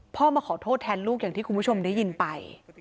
มาขอโทษแทนลูกอย่างที่คุณผู้ชมได้ยินไป